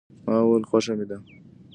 ما وویل، خوښه مې ده.